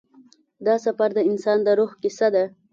دا سفر د انسان د روح کیسه ده.